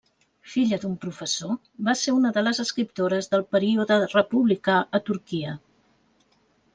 Filla d'un professor, va ser una de les escriptores del període republicà a Turquia.